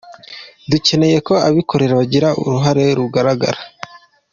Dukeneye ko abikorera bagira uruhare rugaragara.